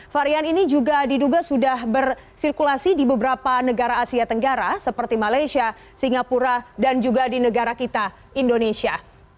varian ini juga diduga sudah bersirkulasi di beberapa negara asia tenggara seperti malaysia singapura dan juga di negara kita indonesia